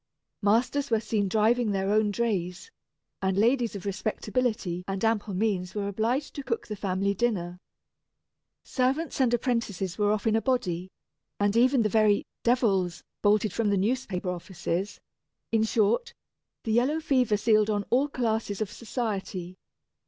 Masters were seen driving their own drays; and ladies of respectability and ample means were obliged to cook the family dinner. Servants and apprentices were off in a body; and even the very "devils" bolted from the newspaper offices; in short, the yellow fever seized on all classes of society.